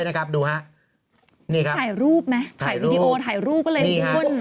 ถ่ายรูปไหมถ่ายรูปเลยคุณ